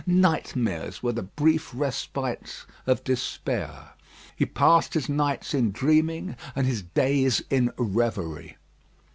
Nightmares were the brief respites of despair. He passed his nights in dreaming, and his days in reverie.